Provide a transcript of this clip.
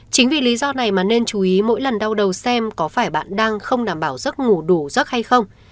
chính vì lý do này mà nên chú ý mỗi lần đau đầu xem có phải bạn đang không đảm bảo giấc ngủ đủ giấc hay không